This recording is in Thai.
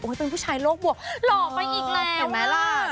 โอ๊ยเป็นผู้ชายโรคบวกหล่อไปอีกแล้วไม่ไหมล่ะ